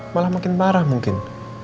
malah makin parah mungkin